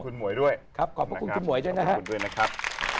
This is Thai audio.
ขอบคุณคุณหมวยด้วยนะครับ